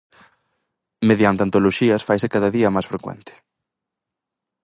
Mediante antoloxías faise cada día máis frecuente.